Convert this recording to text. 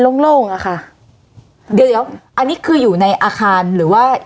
โล่งอ่ะค่ะเดี๋ยวเดี๋ยวอันนี้คืออยู่ในอาคารหรือว่า